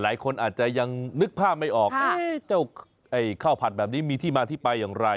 หลายคนอาจจะยังนึกภาพไม่ออกเจ้าข้าวผัดแบบนี้มีที่มาที่ไปอย่างไร